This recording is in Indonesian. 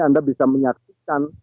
anda bisa menyatakan